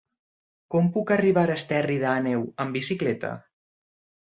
Com puc arribar a Esterri d'Àneu amb bicicleta?